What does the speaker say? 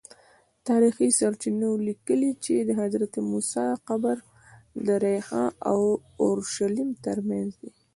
تاریخي سرچینو لیکلي چې د حضرت موسی قبر د ریحا او اورشلیم ترمنځ دی.